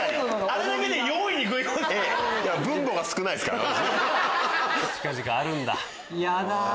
あれだけで４位に食い込んだ。